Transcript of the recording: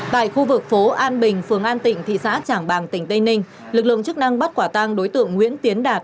tại khu vực phố an bình phường an tịnh thị xã trảng bàng tỉnh tây ninh lực lượng chức năng bắt quả tang đối tượng nguyễn tiến đạt